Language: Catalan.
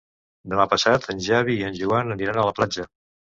Demà passat en Xavi i en Joan aniran a la platja.